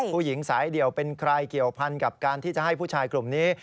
ผู้หญิงสายเดี่ยวเป็นใครเกี่ยวพันกับการที่จะให้ผู้ชายกลุ่มนี้